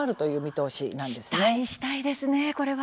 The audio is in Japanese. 期待したいですねこれは。